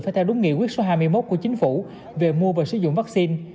phải theo đúng nghị quyết số hai mươi một của chính phủ về mua và sử dụng vaccine